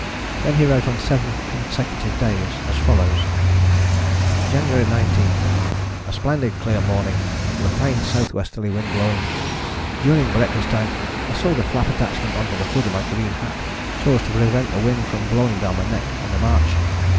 Then he wrote on seven consecutive days, as follows: "January 19. A splendid clear morning with a fine S.W. wind blowing. During breakfast time I sewed a flap attachment on to the hood of my green hat so as to prevent the wind from blowing down my neck on the march.